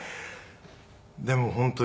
でも本当に。